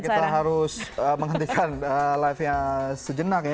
kita harus menghentikan live nya sejenak ya